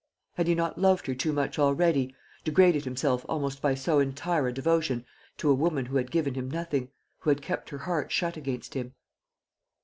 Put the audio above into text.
Had he not loved her too much already degraded himself almost by so entire a devotion to a woman who had given him nothing, who had kept her heart shut against him?